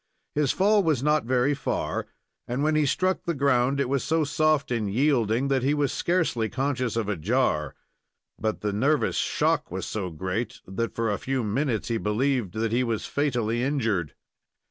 His fall was not very far, and when he struck the ground, it was so soft and yielding that he was scarcely conscious of a jar; but the nervous shock was so great that, for a few minutes, he believed that he was fatally injured.